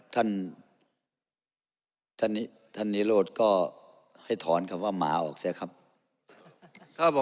ท่านท่านนิโรธก็ให้ถอนคำว่าหมาออกเสียครับ